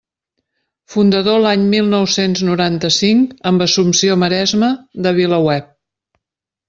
Fundador l'any mil nou-cents noranta-cinc, amb Assumpció Maresma, de VilaWeb.